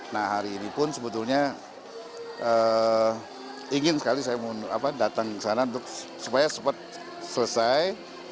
nah hari ini pun sebetulnya ingin sekali saya datang ke sana supaya sempat selesai